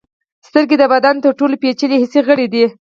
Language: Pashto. سترګې د بدن تر ټولو پیچلي حسي غړي دي.